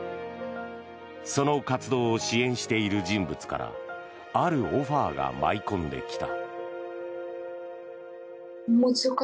その活動を支援している人物からあるオファーが舞い込んできた。